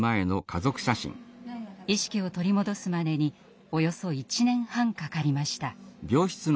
意識を取り戻すまでにおよそ１年半かかりました。